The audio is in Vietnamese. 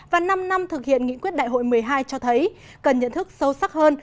và năm năm thực hiện nghị quyết đại hội một mươi hai cho thấy cần nhận thức sâu sắc hơn